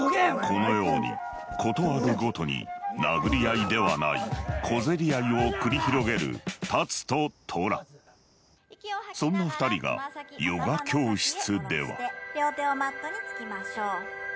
このように事あるごとに殴り合いではない小競り合いを繰り広げる龍と虎そんな２人がヨガ教室では両手をマットにつきましょう。